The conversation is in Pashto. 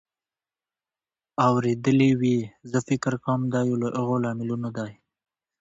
اورېدلې وې. زه فکر کوم دا یو له هغو لاملونو دی